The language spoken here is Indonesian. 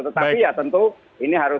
tetapi ya tentu ini harus